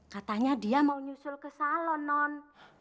katanya dia mau nyusul ke salon non